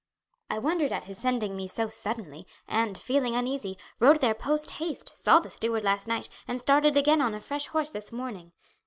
I wondered at his sending me so suddenly, and, feeling uneasy, rode there post haste, saw the steward last night, and started again on a fresh horse this morning.